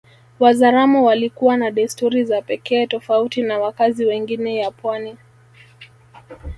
Wazaramo walikuwa na desturi za pekee tofauti na wakazi wengine ya pwani